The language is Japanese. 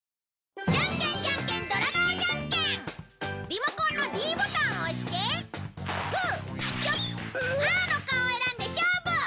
リモコンのｄボタンを押してグーチョキパーの顔を選んで勝負！